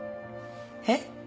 えっ？